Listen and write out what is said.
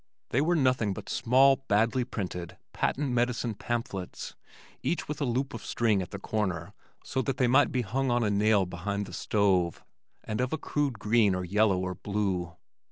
They were nothing but small, badly printed, patent medicine pamphlets, each with a loop of string at the corner so that they might be hung on a nail behind the stove, and of a crude green or yellow or blue.